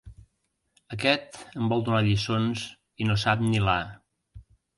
Aquest em vol donar lliçons i no sap ni la a.